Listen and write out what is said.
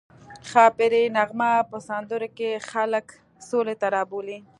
ښاپیرۍ نغمه په سندرو کې خلک سولې ته رابولي